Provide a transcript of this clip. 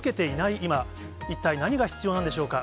今、一体何が必要なんでしょうか。